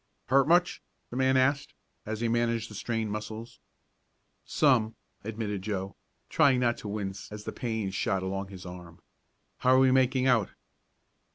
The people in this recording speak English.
"Hurt much?" the man asked, as he massaged the strained muscles. "Some," admitted Joe, trying not to wince as the pain shot along his arm. "How are we making out?"